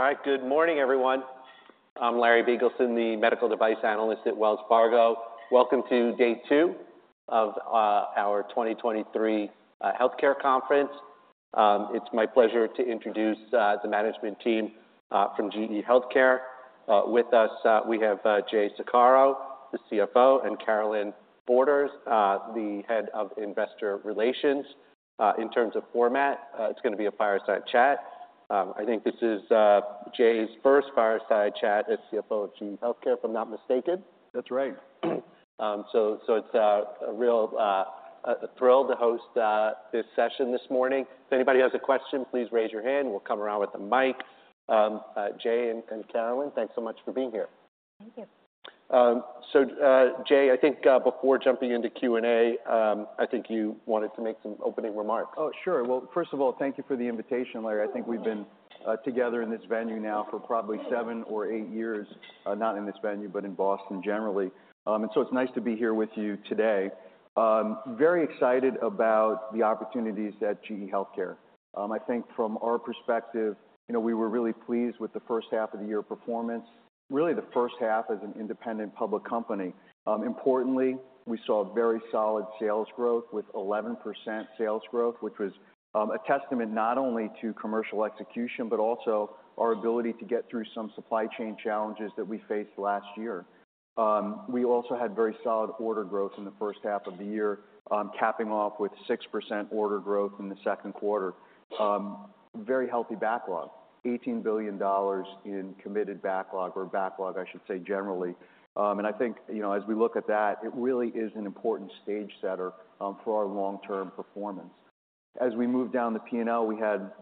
All right. Good morning, everyone. I'm Larry Biegelsen, the Medical Device Analyst at Wells Fargo. Welcome to day two of our 2023 Healthcare Conference. It's my pleasure to introduce the management team from GE HealthCare. With us, we have Jay Saccaro, the CFO, and Carolynne Borders, the head of Investor Relations. In terms of format, it's going to be a fireside chat. I think this is Jay's first fireside chat as CFO of GE HealthCare, if I'm not mistaken. That's right. So, it's a real thrill to host this session this morning. If anybody has a question, please raise your hand, we'll come around with the mic. Jay and Carolynne, thanks so much for being here. Thank you. So, Jay, I think, before jumping into Q&A, I think you wanted to make some opening remarks. Oh, sure. Well, first of all, thank you for the invitation, Larry. I think we've been together in this venue now for probably seven or eight years. Not in this venue, but in Boston generally. And so it's nice to be here with you today. Very excited about the opportunities at GE HealthCare. I think from our perspective, you know, we were really pleased with the first half of the year performance, really the first half as an independent public company. Importantly, we saw very solid sales growth with 11% sales growth, which was a testament not only to commercial execution, but also our ability to get through some supply chain challenges that we faced last year. We also had very solid order growth in the first half of the year, capping off with 6% order growth in the second quarter. Very healthy backlog, $18 billion in committed backlog or backlog, I should say, generally. And I think, you know, as we look at that, it really is an important stage setter, for our long-term performance. As we move down the P&L, we had,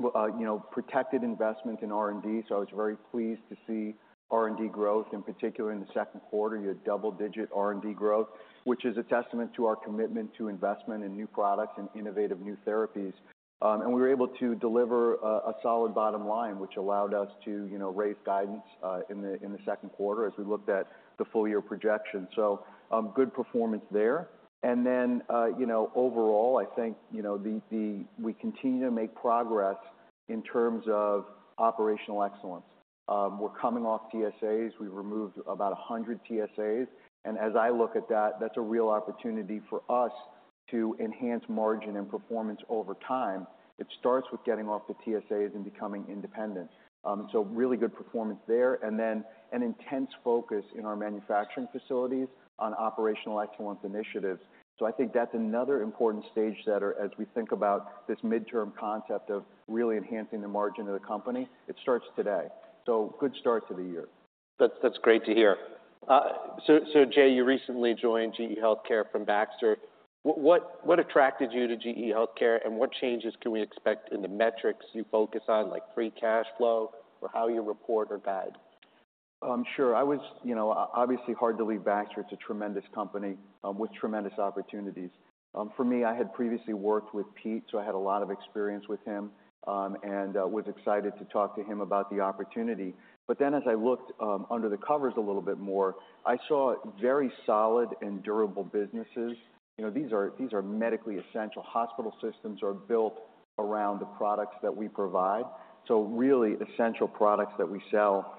you know, protected investment in R&D, so I was very pleased to see R&D growth. In particular, in the second quarter, you had double-digit R&D growth, which is a testament to our commitment to investment in new products and innovative new therapies. And we were able to deliver a solid bottom line, which allowed us to, you know, raise guidance in the second quarter as we looked at the full year projection. So, good performance there. And then, you know, overall, I think, you know, we continue to make progress in terms of operational excellence. We're coming off TSAs. We've removed about 100 TSAs, and as I look at that, that's a real opportunity for us to enhance margin and performance over time. It starts with getting off the TSAs and becoming independent. So really good performance there, and then an intense focus in our manufacturing facilities on operational excellence initiatives. So I think that's another important stage setter as we think about this midterm concept of really enhancing the margin of the company. It starts today, so good start to the year. That's great to hear. So, Jay, you recently joined GE HealthCare from Baxter. What attracted you to GE HealthCare, and what changes can we expect in the metrics you focus on, like free cash flow or how you report or guide? Sure. I was, you know, obviously hard to leave Baxter. It's a tremendous company with tremendous opportunities. For me, I had previously worked with Pete, so I had a lot of experience with him and was excited to talk to him about the opportunity. But then as I looked under the covers a little bit more, I saw very solid and durable businesses. You know, these are, these are medically essential. Hospital systems are built around the products that we provide, so really essential products that we sell.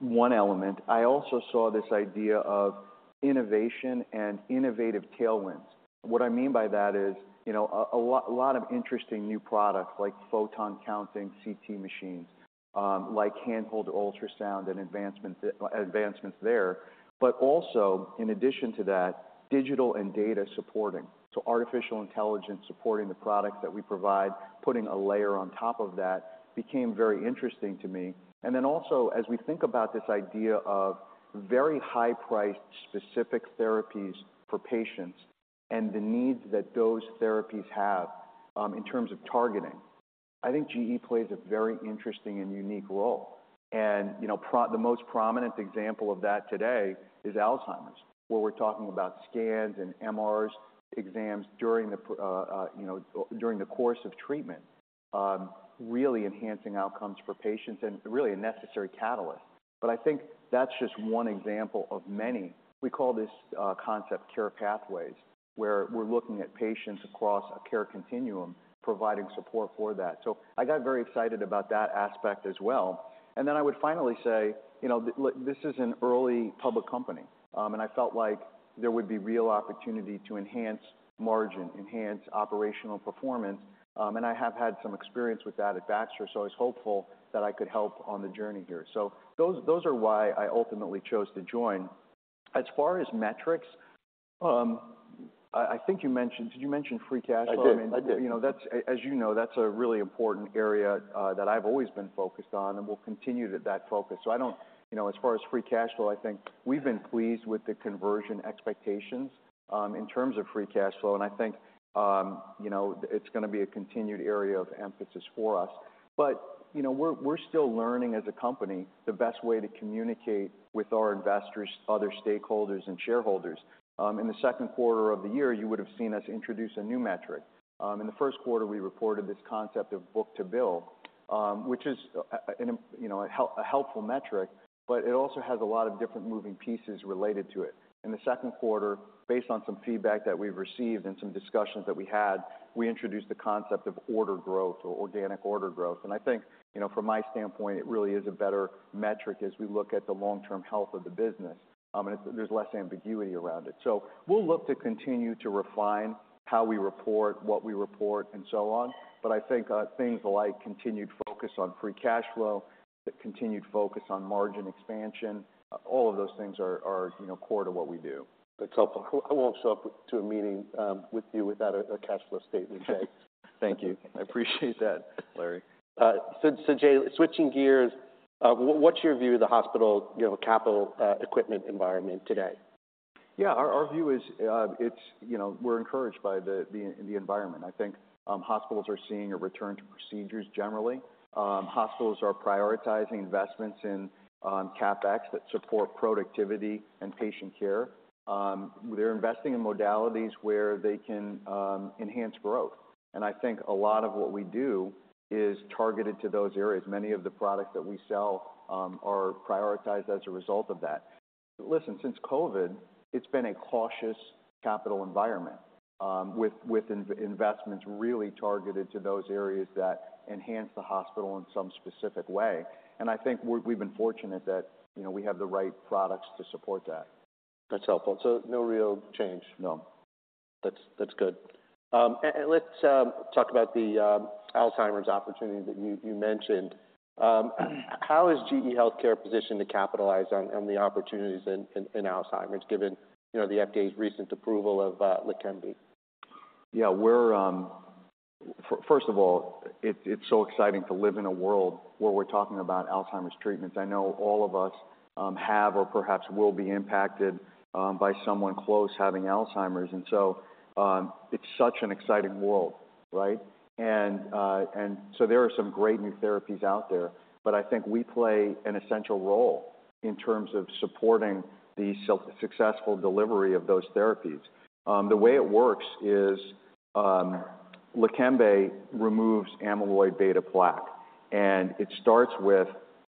One element, I also saw this idea of innovation and innovative tailwinds. What I mean by that is, you know, a lot of interesting new products like photon counting CT machines, like handheld ultrasound and advancements, advancements there, but also in addition to that, digital and data supporting. So artificial intelligence, supporting the products that we provide, putting a layer on top of that became very interesting to me. And then also, as we think about this idea of very high-priced, specific therapies for patients and the needs that those therapies have, in terms of targeting, I think GE plays a very interesting and unique role. And, you know, The most prominent example of that today is Alzheimer's, where we're talking about scans and MR exams during the you know, during the course of treatment, really enhancing outcomes for patients and really a necessary catalyst. But I think that's just one example of many. We call this, concept care pathways, where we're looking at patients across a care continuum, providing support for that. So I got very excited about that aspect as well. And then I would finally say, you know, this is an early public company, and I felt like there would be real opportunity to enhance margin, enhance operational performance, and I have had some experience with that at Baxter, so I was hopeful that I could help on the journey here. So those, those are why I ultimately chose to join. As far as metrics, I think you mentioned... Did you mention free cash flow? I did. I did. You know, that's, as you know, that's a really important area that I've always been focused on and will continue to that focus. So I don't... You know, as far as free cash flow, I think we've been pleased with the conversion expectations in terms of free cash flow, and I think, you know, it's going to be a continued area of emphasis for us. But, you know, we're, we're still learning, as a company, the best way to communicate with our investors, other stakeholders, and shareholders. In the second quarter of the year, you would have seen us introduce a new metric. In the first quarter, we reported this concept of book-to-bill, which is, you know, a helpful metric, but it also has a lot of different moving pieces related to it. In the second quarter, based on some feedback that we've received and some discussions that we had, we introduced the concept of order growth or organic order growth, and I think, you know, from my standpoint, it really is a better metric as we look at the long-term health of the business. And there's less ambiguity around it. So we'll look to continue to refine how we report, what we report, and so on. But I think, things like continued focus on free cash flow, continued focus on margin expansion, all of those things are, you know, core to what we do. I won't show up to a meeting with you without a cash flow statement, Jay. Thank you. I appreciate that, Larry. So, so Jay, switching gears, what, what's your view of the hospital, you know, capital equipment environment today? Yeah, our view is, it's, you know, we're encouraged by the environment. I think, hospitals are seeing a return to procedures generally. Hospitals are prioritizing investments in CapEx that support productivity and patient care. They're investing in modalities where they can enhance growth, and I think a lot of what we do is targeted to those areas. Many of the products that we sell are prioritized as a result of that. Listen, since COVID, it's been a cautious capital environment, with investments really targeted to those areas that enhance the hospital in some specific way, and I think we've been fortunate that, you know, we have the right products to support that. That's helpful. So no real change? No. That's good. Let's talk about the Alzheimer's opportunity that you mentioned. How is GE HealthCare positioned to capitalize on the opportunities in Alzheimer's, given, you know, the FDA's recent approval of LEQEMBI? Yeah, we're first of all, it's so exciting to live in a world where we're talking about Alzheimer's treatments. I know all of us have or perhaps will be impacted by someone close having Alzheimer's, and so it's such an exciting world, right? And so there are some great new therapies out there, but I think we play an essential role in terms of supporting the successful delivery of those therapies. The way it works is, LEQEMBI removes amyloid beta plaque, and it starts with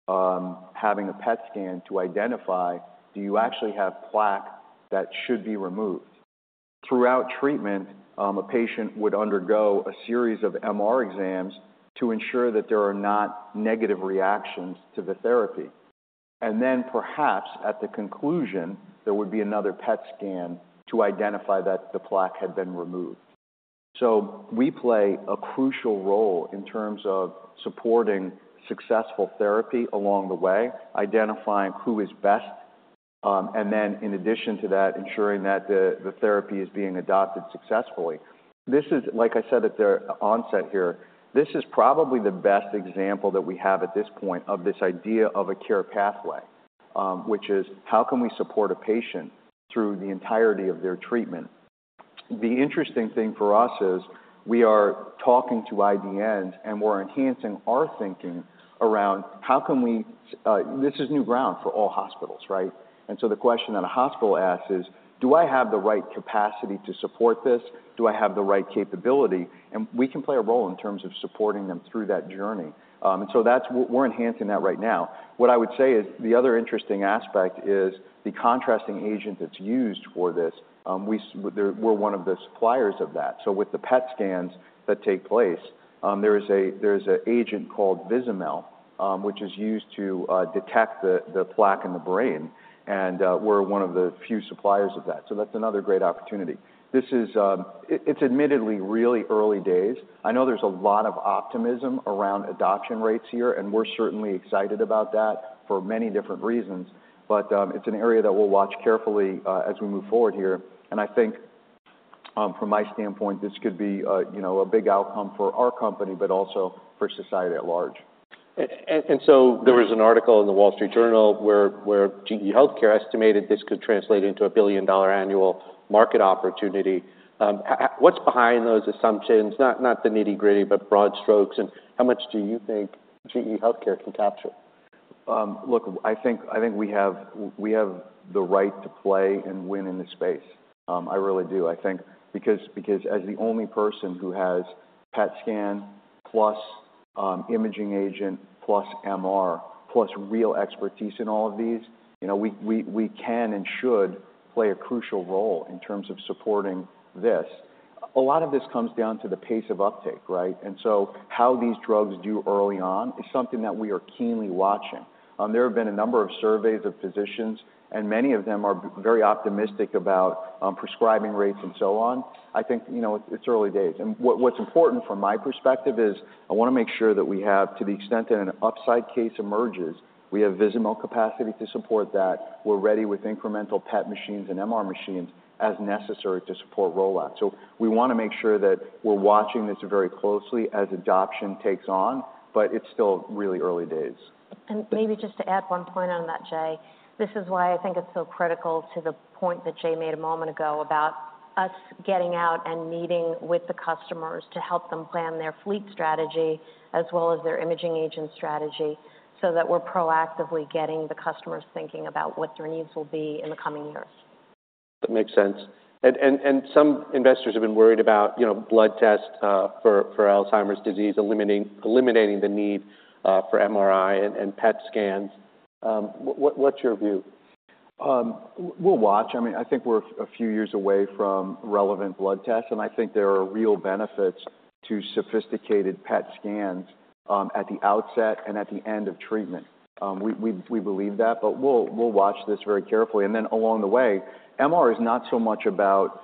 having a PET scan to identify, do you actually have plaque that should be removed? Throughout treatment, a patient would undergo a series of MR exams to ensure that there are not negative reactions to the therapy. Then perhaps, at the conclusion, there would be another PET scan to identify that the plaque had been removed. So we play a crucial role in terms of supporting successful therapy along the way, identifying who is best, and then in addition to that, ensuring that the therapy is being adopted successfully. This is... Like I said, at the onset here, this is probably the best example that we have at this point of this idea of a care pathway, which is: How can we support a patient through the entirety of their treatment? The interesting thing for us is we are talking to IDNs, and we're enhancing our thinking around how can we. This is new ground for all hospitals, right? And so the question that a hospital asks is: Do I have the right capacity to support this? Do I have the right capability? And we can play a role in terms of supporting them through that journey. And so that's, we're enhancing that right now. What I would say is, the other interesting aspect is the contrast agent that's used for this. We're one of the suppliers of that. So with the PET scans that take place, there is an agent called Vizamyl, which is used to detect the plaque in the brain, and we're one of the few suppliers of that. So that's another great opportunity. This is, it's admittedly really early days. I know there's a lot of optimism around adoption rates here, and we're certainly excited about that for many different reasons. But, it's an area that we'll watch carefully, as we move forward here. I think, from my standpoint, this could be a, you know, a big outcome for our company, but also for society at large. So there was an article in the Wall Street Journal where GE HealthCare estimated this could translate into a billion-dollar annual market opportunity. How, what's behind those assumptions? Not the nitty-gritty, but broad strokes, and how much do you think GE HealthCare can capture? Look, I think we have the right to play and win in this space. I really do. I think because as the only person who has PET scan, plus imaging agent, plus MR, plus real expertise in all of these, you know, we can and should play a crucial role in terms of supporting this. A lot of this comes down to the pace of uptake, right? And so how these drugs do early on is something that we are keenly watching. There have been a number of surveys of physicians, and many of them are very optimistic about prescribing rates and so on. I think, you know, it's early days. What's important from my perspective is I want to make sure that we have, to the extent that an upside case emerges, we have Vizamyl capacity to support that. We're ready with incremental PET machines and MR machines as necessary to support rollout. We want to make sure that we're watching this very closely as adoption takes on, but it's still really early days. Maybe just to add one point on that, Jay. This is why I think it's so critical to the point that Jay made a moment ago about us getting out and meeting with the customers to help them plan their fleet strategy, as well as their imaging agent strategy, so that we're proactively getting the customers thinking about what their needs will be in the coming years. That makes sense. And some investors have been worried about, you know, blood tests for Alzheimer's disease, eliminating the need for MRI and PET scans. What's your view? We'll watch. I mean, I think we're a few years away from relevant blood tests, and I think there are real benefits to sophisticated PET scans, at the outset and at the end of treatment. We believe that, but we'll watch this very carefully. And then along the way, MR is not so much about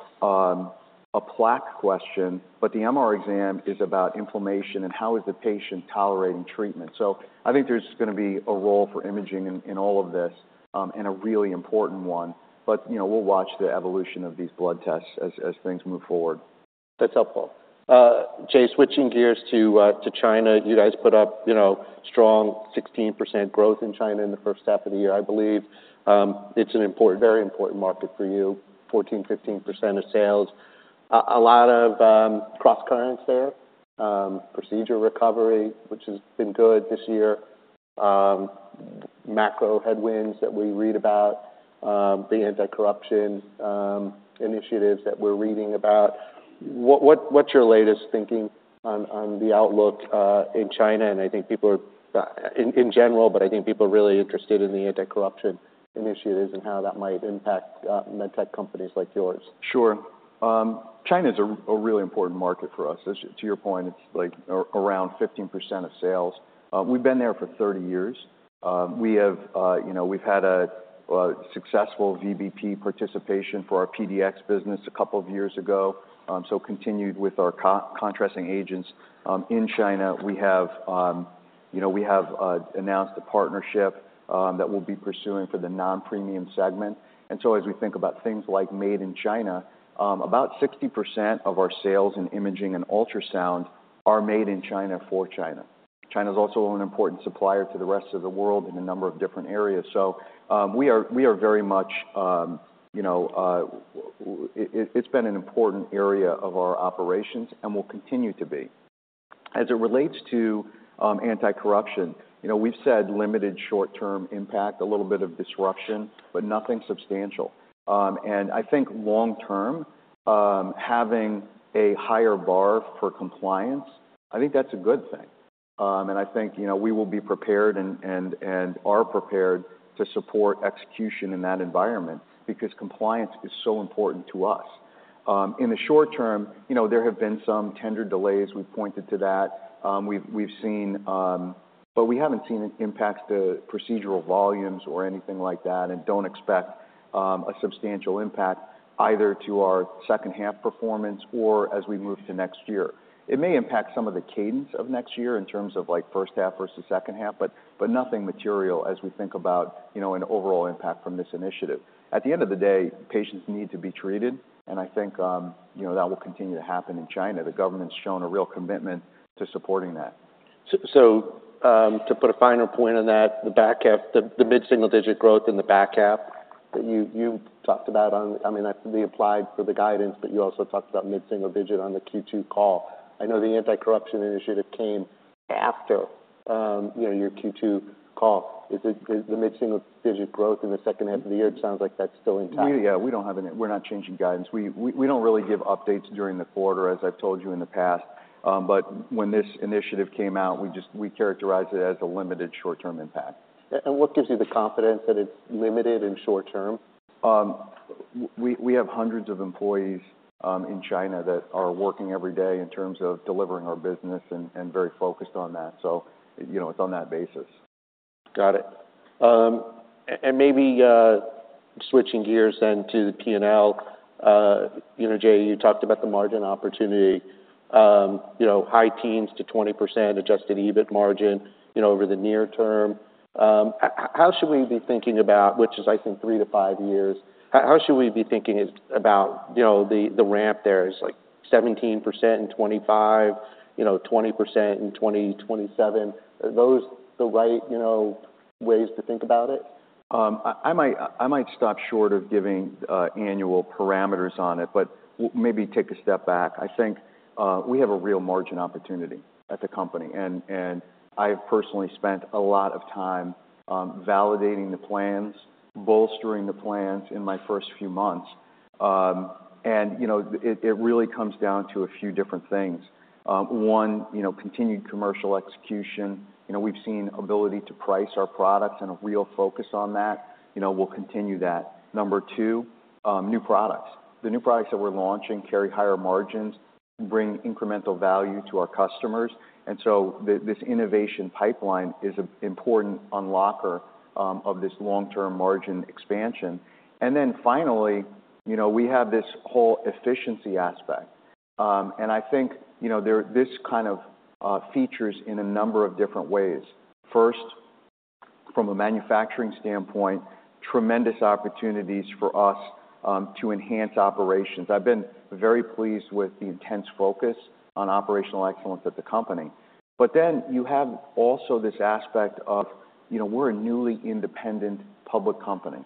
a plaque question, but the MR exam is about inflammation and how is the patient tolerating treatment. So I think there's going to be a role for imaging in all of this, and a really important one. But, you know, we'll watch the evolution of these blood tests as things move forward. That's helpful. Jay, switching gears to China. You guys put up, you know, strong 16% growth in China in the first half of the year, I believe. It's an important, very important market for you, 14%-15% of sales. A lot of crosscurrents there, procedure recovery, which has been good this year. Macro headwinds that we read about, the anti-corruption initiatives that we're reading about. What's your latest thinking on the outlook in China? And I think people are in general, but I think people are really interested in the anti-corruption initiatives and how that might impact med tech companies like yours. Sure. China is a really important market for us. As to your point, it's like around 15% of sales. We've been there for 30 years. You know, we've had a successful VBP participation for our PDx business a couple of years ago. So continued with our contrast agents in China. We have, you know, we have announced a partnership that we'll be pursuing for the non-premium segment. And so as we think about things like Made in China, about 60% of our sales in imaging and ultrasound are made in China for China. China is also an important supplier to the rest of the world in a number of different areas. So, we are very much, you know, it's been an important area of our operations and will continue to be. As it relates to anti-corruption, you know, we've said limited short-term impact, a little bit of disruption, but nothing substantial. And I think long term, having a higher bar for compliance, I think that's a good thing. And I think, you know, we will be prepared and are prepared to support execution in that environment because compliance is so important to us. In the short term, you know, there have been some tender delays. We've pointed to that. We've seen... But we haven't seen it impact the procedural volumes or anything like that, and don't expect a substantial impact either to our second half performance or as we move to next year. It may impact some of the cadence of next year in terms of like first half versus second half, but nothing material as we think about, you know, an overall impact from this initiative. At the end of the day, patients need to be treated, and I think, you know, that will continue to happen in China. The government's shown a real commitment to supporting that. To put a finer point on that, the back half, the mid-single digit growth in the back half that you talked about on... I mean, that's been implied for the guidance, but you also talked about mid-single digit on the Q2 call. I know the anti-corruption initiative came after, you know, your Q2 call. The mid-single digit growth in the second half of the year, it sounds like that's still intact. Yeah, we're not changing guidance. We don't really give updates during the quarter, as I've told you in the past. But when this initiative came out, we just we characterized it as a limited short-term impact. And what gives you the confidence that it's limited and short term? We have hundreds of employees in China that are working every day in terms of delivering our business and very focused on that. So, you know, it's on that basis. Got it. And maybe switching gears then to the P&L. You know, Jay, you talked about the margin opportunity, you know, high teens to 20% adjusted EBIT margin, you know, over the near term. How should we be thinking about, which is, I think, 3-5 years, how should we be thinking about, you know, the, the ramp there? Is like 17% and 25%, you know, 20% and 27%. Are those the right, you know, ways to think about it? I might stop short of giving annual parameters on it, but maybe take a step back. I think we have a real margin opportunity at the company, and I've personally spent a lot of time validating the plans, bolstering the plans in my first few months. You know, it really comes down to a few different things. One, you know, continued commercial execution. You know, we've seen ability to price our products and a real focus on that. You know, we'll continue that. Number two, new products. The new products that we're launching carry higher margins, bring incremental value to our customers, and so this innovation pipeline is an important unlocker of this long-term margin expansion. And then finally, you know, we have this whole efficiency aspect. And I think, you know, this kind of features in a number of different ways. First, from a manufacturing standpoint, tremendous opportunities for us to enhance operations. I've been very pleased with the intense focus on operational excellence at the company. But then you have also this aspect of, you know, we're a newly independent public company,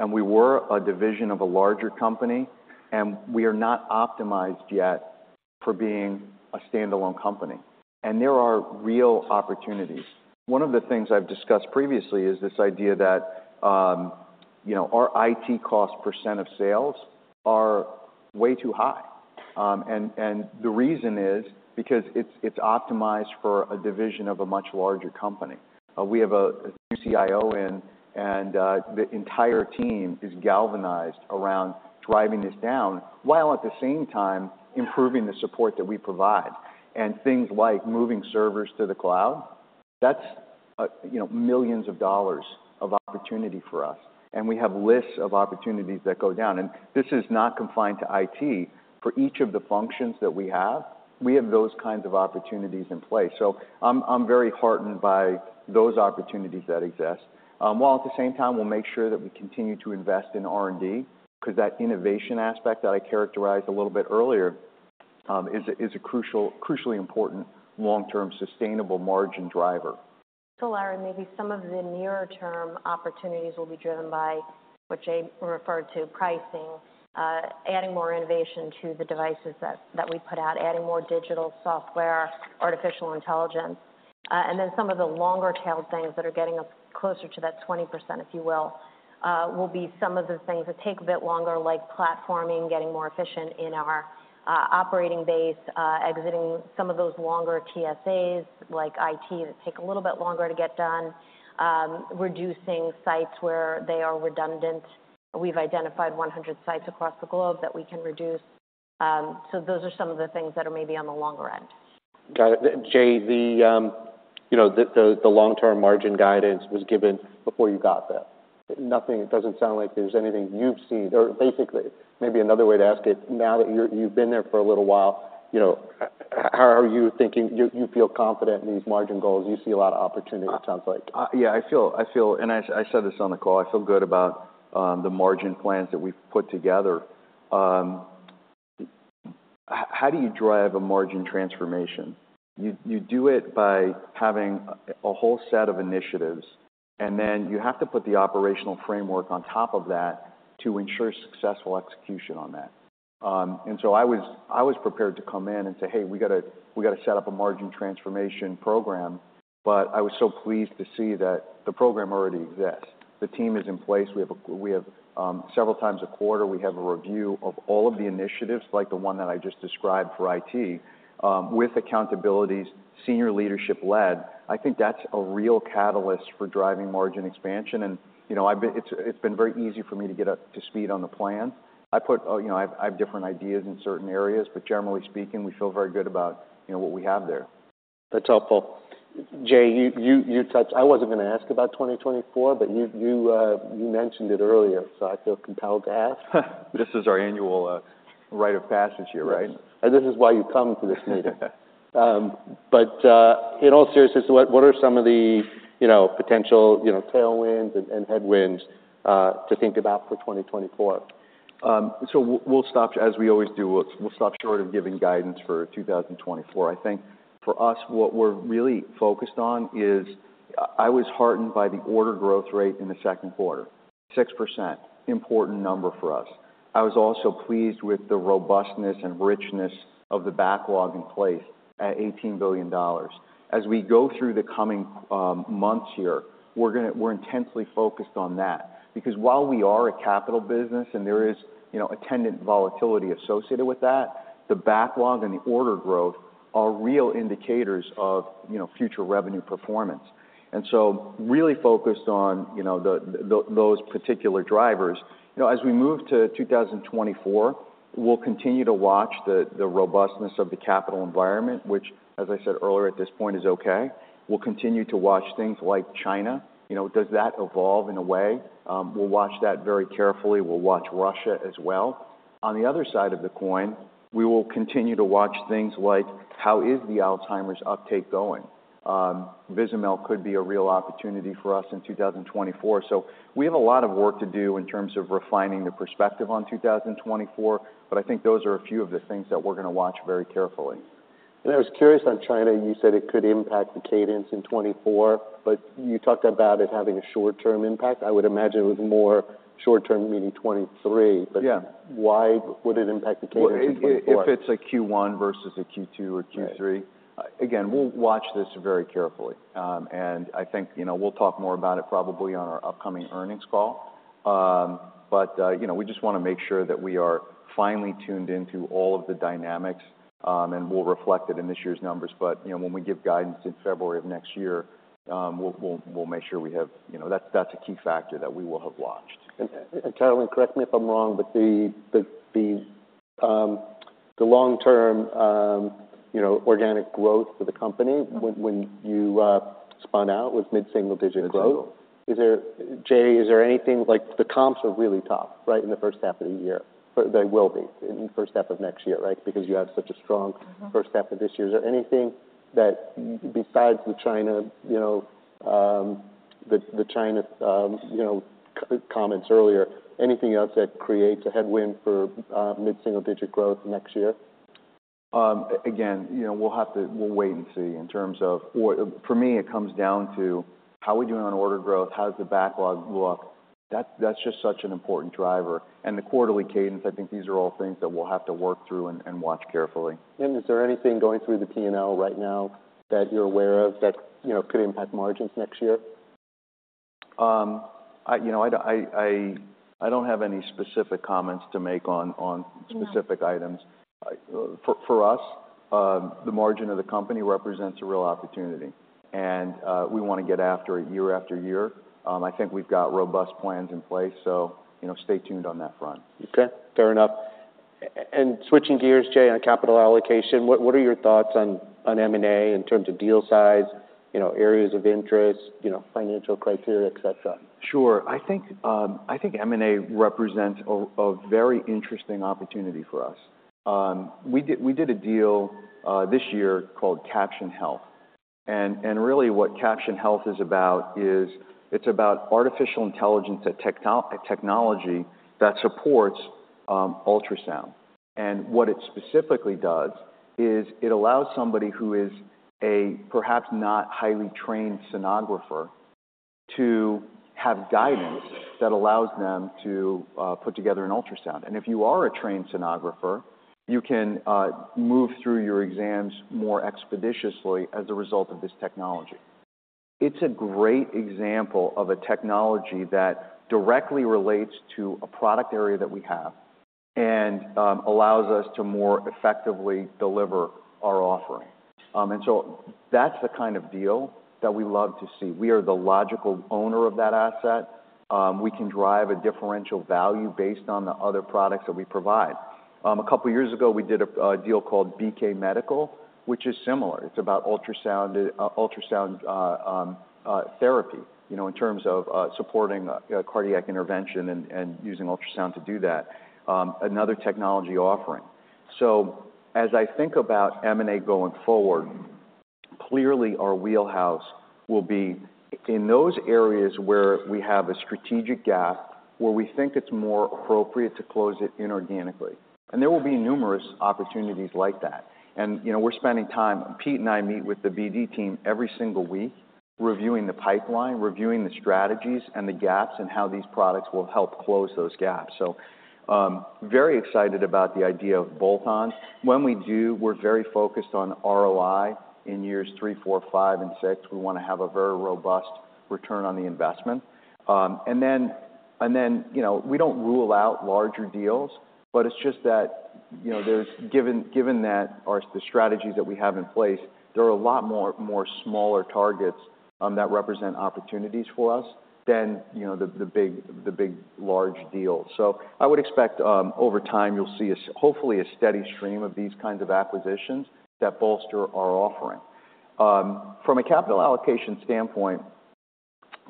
and we were a division of a larger company, and we are not optimized yet for being a standalone company, and there are real opportunities. One of the things I've discussed previously is this idea that, you know, our IT cost percent of sales are way too high. And the reason is because it's optimized for a division of a much larger company. We have a new CIO in, and the entire team is galvanized around driving this down, while at the same time, improving the support that we provide. And things like moving servers to the cloud, that's, you know, millions of dollars of opportunity for us, and we have lists of opportunities that go down, and this is not confined to IT. For each of the functions that we have, we have those kinds of opportunities in place. So I'm very heartened by those opportunities that exist, while at the same time, we'll make sure that we continue to invest in R&D, because that innovation aspect that I characterized a little bit earlier is a crucially important long-term sustainable margin driver. So Larry, maybe some of the nearer term opportunities will be driven by what Jay referred to, pricing, adding more innovation to the devices that, that we put out, adding more digital software, artificial intelligence. And then some of the longer tail things that are getting us closer to that 20%, if you will, will be some of the things that take a bit longer, like platforming, getting more efficient in our operating base, exiting some of those longer TSAs, like IT, that take a little bit longer to get done, reducing sites where they are redundant. We've identified 100 sites across the globe that we can reduce. So those are some of the things that are maybe on the longer end. Got it. Jay, you know, the long-term margin guidance was given before you got there. Nothing... It doesn't sound like there's anything you've seen or basically, maybe another way to ask it, now that you've been there for a little while, you know, how are you thinking... You feel confident in these margin goals? You see a lot of opportunity, it sounds like. Yeah, I feel, and I said this on the call, I feel good about the margin plans that we've put together. How do you drive a margin transformation? You do it by having a whole set of initiatives, and then you have to put the operational framework on top of that to ensure successful execution on that. And so I was prepared to come in and say, "Hey, we gotta set up a margin transformation program," but I was so pleased to see that the program already exists. The team is in place. We have several times a quarter, we have a review of all of the initiatives, like the one that I just described for IT, with accountabilities, senior leadership led. I think that's a real catalyst for driving margin expansion. You know, it's been very easy for me to get up to speed on the plan. You know, I have different ideas in certain areas, but generally speaking, we feel very good about, you know, what we have there. That's helpful. Jay, you touched... I wasn't going to ask about 2024, but you mentioned it earlier, so I feel compelled to ask. This is our annual rite of passage here, right? And this is why you come to this meeting. But in all seriousness, what are some of the, you know, potential, you know, tailwinds and headwinds to think about for 2024? So we'll stop, as we always do, short of giving guidance for 2024. I think for us, what we're really focused on is... I was heartened by the order growth rate in the second quarter. 6%, important number for us. I was also pleased with the robustness and richness of the backlog in place at $18 billion. As we go through the coming months here, we're intensely focused on that. Because while we are a capital business and there is, you know, attendant volatility associated with that, the backlog and the order growth are real indicators of, you know, future revenue performance. And so really focused on, you know, those particular drivers. You know, as we move to 2024, we'll continue to watch the robustness of the capital environment, which, as I said earlier, at this point, is okay. We'll continue to watch things like China. You know, does that evolve in a way? We'll watch that very carefully. We'll watch Russia as well. On the other side of the coin, we will continue to watch things like, how is the Alzheimer's uptake going? Vizamyl could be a real opportunity for us in 2024. So we have a lot of work to do in terms of refining the perspective on 2024, but I think those are a few of the things that we're going to watch very carefully. I was curious on China, you said it could impact the cadence in 2024, but you talked about it having a short-term impact. I would imagine it was more short-term, meaning 2023. Yeah. Why would it impact the cadence in 2024? Well, if it's a Q1 versus a Q2 or Q3- Right. Again, we'll watch this very carefully. And I think, you know, we'll talk more about it probably on our upcoming earnings call. But, you know, we just want to make sure that we are finely tuned into all of the dynamics, and we'll reflect it in this year's numbers. But, you know, when we give guidance in February of next year, we'll make sure we have... You know, that's a key factor that we will have watched. Carolyn, correct me if I'm wrong, but the long-term, you know, organic growth for the company when you spun out was mid-single digit growth. That's right. Is there... Jay, is there anything, like, the comps are really tough, right? In the first half of the year. But they will be in the first half of next year, right? Because you have such a strong- Mm-hmm first half of this year. Is there anything that, besides the China, you know, the, the China, you know, comments earlier, anything else that creates a headwind for mid-single digit growth next year? Again, you know, we'll have to wait and see in terms of what... For me, it comes down to how are we doing on order growth, how does the backlog look? That's just such an important driver. And the quarterly cadence, I think these are all things that we'll have to work through and watch carefully. Is there anything going through the P&L right now that you're aware of that, you know, could impact margins next year? You know, I don't have any specific comments to make on, on-specific items. For us, the margin of the company represents a real opportunity, and we want to get after it year after year. I think we've got robust plans in place, so you know, stay tuned on that front. Okay, fair enough. And switching gears, Jay, on capital allocation, what are your thoughts on M&A in terms of deal size, you know, areas of interest, you know, financial criteria, et cetera? Sure. I think M&A represents a very interesting opportunity for us. We did a deal this year called Caption Health. Really, what Caption Health is about is it's about artificial intelligence and technology that supports ultrasound. And what it specifically does is it allows somebody who is a perhaps not highly trained sonographer to have guidance that allows them to put together an ultrasound. And if you are a trained sonographer, you can move through your exams more expeditiously as a result of this technology. It's a great example of a technology that directly relates to a product area that we have, and allows us to more effectively deliver our offering. And so that's the kind of deal that we love to see. We are the logical owner of that asset. We can drive a differential value based on the other products that we provide. A couple of years ago, we did a deal called BK Medical, which is similar. It's about ultrasound therapy, you know, in terms of supporting cardiac intervention and using ultrasound to do that, another technology offering. As I think about M&A going forward, clearly our wheelhouse will be in those areas where we have a strategic gap, where we think it's more appropriate to close it inorganically. There will be numerous opportunities like that. You know, we're spending time. Pete and I meet with the BD team every single week, reviewing the pipeline, reviewing the strategies and the gaps, and how these products will help close those gaps. Very excited about the idea of bolt-on. When we do, we're very focused on ROI in years three, four, five, and six. We want to have a very robust return on the investment. And then, you know, we don't rule out larger deals, but it's just that, you know, there's given that our the strategies that we have in place, there are a lot more smaller targets that represent opportunities for us than, you know, the big large deals. So I would expect, over time, you'll see a hopefully steady stream of these kinds of acquisitions that bolster our offering. From a capital allocation standpoint,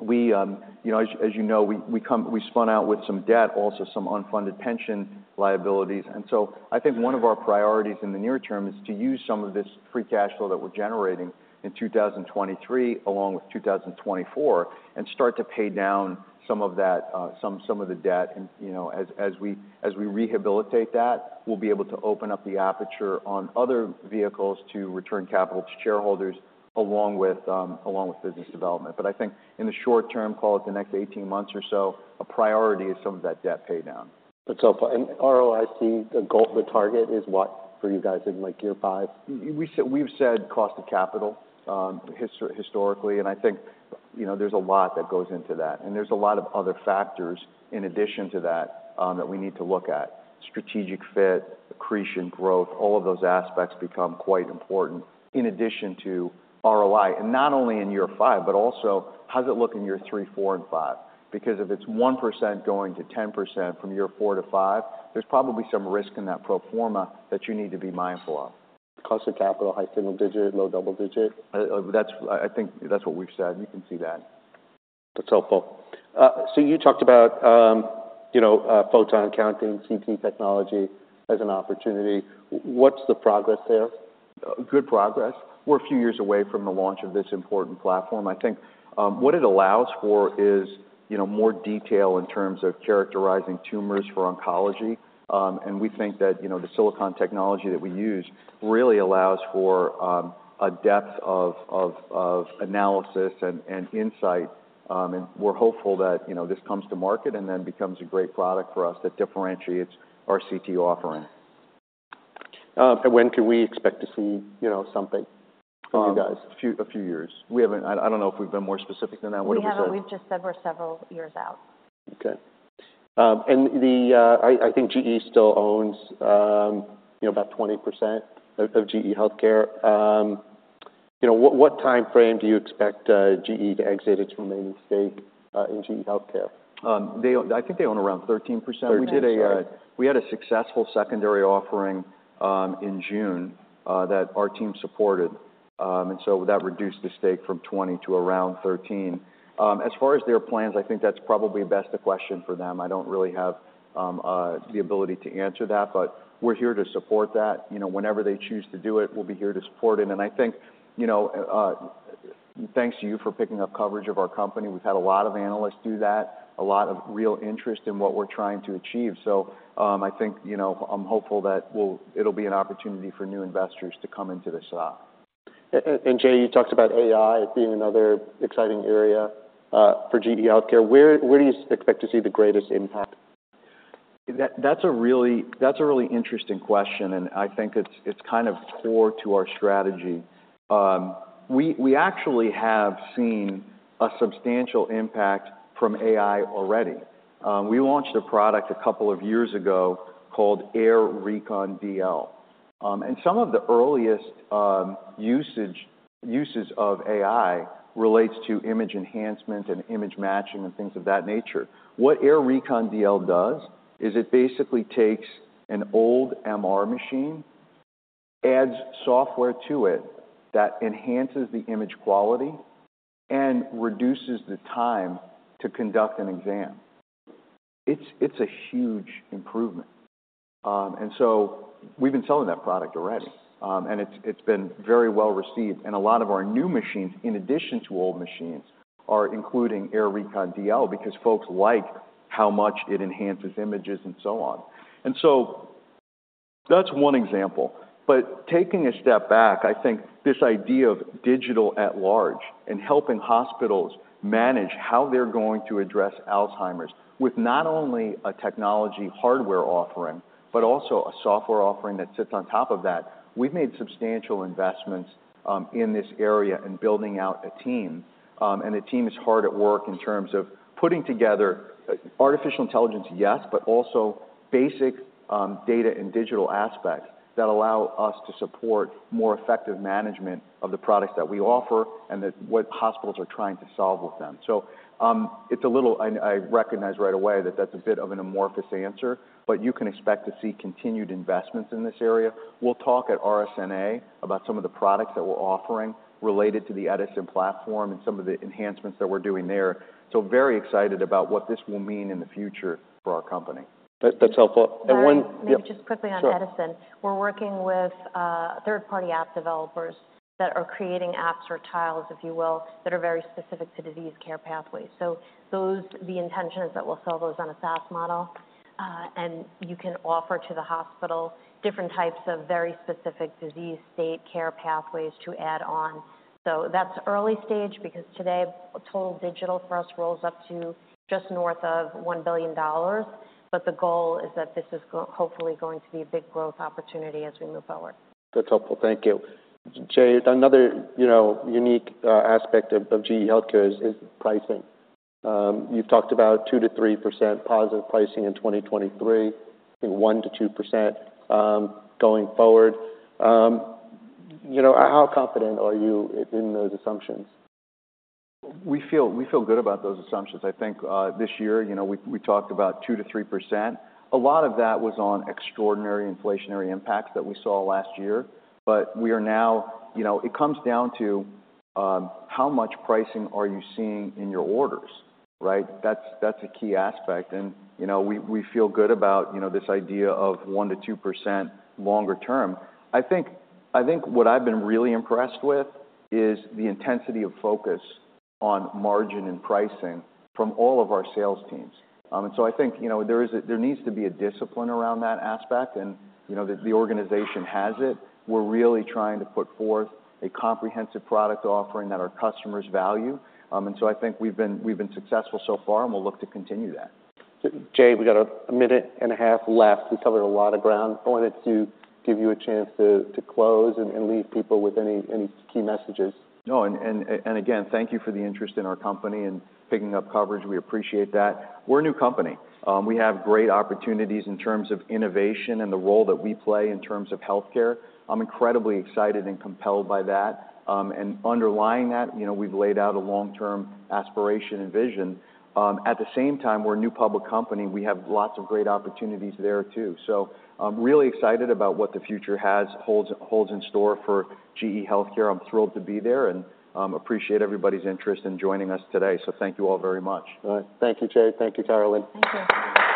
we, you know, as you know, we spun out with some debt, also some unfunded pension liabilities. And so I think one of our priorities in the near term is to use some of this free cash flow that we're generating in 2023, along with 2024, and start to pay down some of that, some of the debt. And, you know, as we rehabilitate that, we'll be able to open up the aperture on other vehicles to return capital to shareholders, along with business development. But I think in the short term, call it the next 18 months or so, a priority is some of that debt paydown. That's helpful. ROIC, the goal, the target is what for you guys in, like, year five? We've said, we've said cost of capital, historically, and I think, you know, there's a lot that goes into that, and there's a lot of other factors in addition to that, that we need to look at. Strategic fit, accretion, growth, all of those aspects become quite important in addition to ROI, and not only in year five, but also, how does it look in year three, four, and five? Because if it's 1% going to 10% from year four to five, there's probably some risk in that pro forma that you need to be mindful of. Cost of capital, high single digit, low double digit? That's... I think that's what we've said. You can see that. That's helpful. So you talked about, you know, photon counting CT technology as an opportunity. What's the progress there? Good progress. We're a few years away from the launch of this important platform. I think, what it allows for is, you know, more detail in terms of characterizing tumors for oncology. And we think that, you know, the silicon technology that we use really allows for, a depth of analysis and insight, and we're hopeful that, you know, this comes to market and then becomes a great product for us that differentiates our CT offering. When can we expect to see, you know, something from you guys? A few years. We haven't... I don't know if we've been more specific than that. What did we say? We haven't. We've just said we're several years out. Okay. I think GE still owns, you know, about 20% of GE HealthCare. You know, what timeframe do you expect GE to exit its remaining stake in GE HealthCare? I think they own around 13%. 13%, right. We had a successful secondary offering in June that our team supported. And so that reduced the stake from 20% to around 13%. As far as their plans, I think that's probably best a question for them. I don't really have the ability to answer that, but we're here to support that. You know, whenever they choose to do it, we'll be here to support it. And I think, you know, thanks to you for picking up coverage of our company. We've had a lot of analysts do that, a lot of real interest in what we're trying to achieve. So, I think, you know, I'm hopeful that it'll be an opportunity for new investors to come into the stock. Jay, you talked about AI as being another exciting area for GE HealthCare. Where do you expect to see the greatest impact? That, that's a really, that's a really interesting question, and I think it's, it's kind of core to our strategy. We, we actually have seen a substantial impact from AI already. We launched a product a couple of years ago called AIR Recon DL. And some of the earliest, usage, uses of AI relates to image enhancement and image matching, and things of that nature. What AIR Recon DL does is it basically takes an old MR machine, adds software to it that enhances the image quality and reduces the time to conduct an exam. It's, it's a huge improvement. And so we've been selling that product already, and it's, it's been very well received. And a lot of our new machines, in addition to old machines, are including AIR Recon DL, because folks like how much it enhances images, and so on. And so that's one example. But taking a step back, I think this idea of digital at large and helping hospitals manage how they're going to address Alzheimer's, with not only a technology hardware offering, but also a software offering that sits on top of that. We've made substantial investments in this area in building out a team. And the team is hard at work in terms of putting together artificial intelligence, yes, but also basic data and digital aspects that allow us to support more effective management of the products that we offer and what hospitals are trying to solve with them. So, it's a little, and I recognize right away that that's a bit of an amorphous answer, but you can expect to see continued investments in this area. We'll talk at RSNA about some of the products that we're offering related to the Edison platform and some of the enhancements that we're doing there. So very excited about what this will mean in the future for our company. That, that's helpful. And one- Sorry, maybe just quickly on Edison. Sure. We're working with third-party app developers that are creating apps or tiles, if you will, that are very specific to disease care pathways. So those... The intention is that we'll sell those on a SaaS model, and you can offer to the hospital different types of very specific disease state care pathways to add on. So that's early stage, because today, total digital for us rolls up to just north of $1 billion. But the goal is that this is hopefully going to be a big growth opportunity as we move forward. That's helpful. Thank you. Jay, another, you know, unique aspect of GE HealthCare is pricing. You've talked about 2%-3% positive pricing in 2023, and 1%-2% going forward. You know, how confident are you in those assumptions? We feel, we feel good about those assumptions. I think, this year, you know, we talked about 2%-3%. A lot of that was on extraordinary inflationary impacts that we saw last year. But we are now... You know, it comes down to, how much pricing are you seeing in your orders, right? That's, that's a key aspect. And, you know, we feel good about, you know, this idea of 1%-2% longer term. I think what I've been really impressed with is the intensity of focus on margin and pricing from all of our sales teams. And so I think, you know, there needs to be a discipline around that aspect, and, you know, the organization has it. We're really trying to put forth a comprehensive product offering that our customers value. And so I think we've been successful so far, and we'll look to continue that. Jay, we've got a minute and a half left. We covered a lot of ground. I wanted to give you a chance to close and leave people with any key messages. No, and again, thank you for the interest in our company and picking up coverage. We appreciate that. We're a new company. We have great opportunities in terms of innovation and the role that we play in terms of healthcare. I'm incredibly excited and compelled by that. And underlying that, you know, we've laid out a long-term aspiration and vision. At the same time, we're a new public company. We have lots of great opportunities there, too. So I'm really excited about what the future holds in store for GE HealthCare. I'm thrilled to be there and appreciate everybody's interest in joining us today. So thank you all very much. All right. Thank you, Jay. Thank you, Carolynne. Thank you.